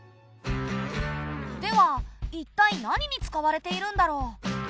ではいったい何に使われているんだろう？